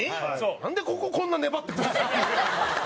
なんで、こここんな粘ってくるんですか？